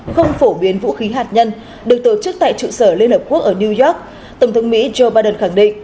không phổ biến vũ khí hạt nhân được tổ chức tại trụ sở liên hợp quốc ở new york tổng thống mỹ joe biden khẳng định